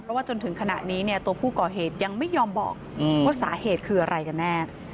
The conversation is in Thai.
เพราะว่าจนถึงขณะนี้เนี่ยตัวผู้ก่อเหตุยังไม่ยอมบอกว่าสาเหตุคืออะไรกันแน่